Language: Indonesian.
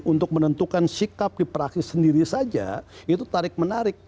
untuk menentukan sikap di praksi sendiri saja itu tarik menarik